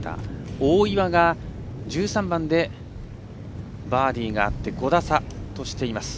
大岩が１３番でバーディーがあって５打差としています。